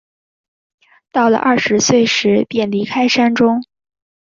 到了二十岁时便离开山中。